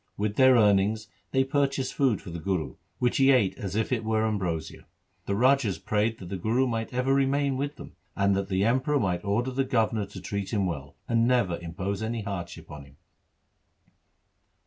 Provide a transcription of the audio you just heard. With their earnings they purchased food for the Guru, which he ate as if it were ambrosia. The rajas prayed that the Guru might ever remain with them, and that the Emperor might order the governor to treat him well, and never impose any hardship on him.